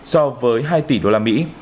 so với hai tỷ đô la mỹ